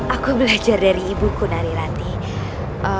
aku belajar dari ibuku ari ratih